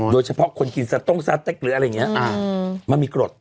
โดยเฉพาะคนกินสต้งสเต็กหรืออะไรอย่างนี้มันมีกรด